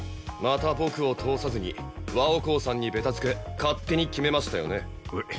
また僕を通さずにワオコーさんにベタ付け勝手に決めましたよね？